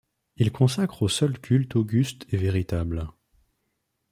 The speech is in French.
Il consacre au seul culte auguste et véritable